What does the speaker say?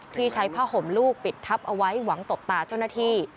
ที่ใช้ผ้าห่มลูกปิดทับเอาไว้หวังตบตาเจ้าหน้าที่